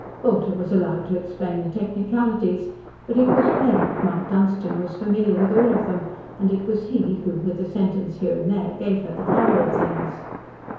Bolter was allowed to explain the technicalities, but it was plain that Mount Dunstan was familiar with all of them, and it was he who, with a sentence here and there, gave her the colour of things.